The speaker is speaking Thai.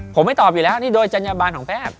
ผมไม่ตอบอยู่แล้วนี่โดยจัญญบันของแพทย์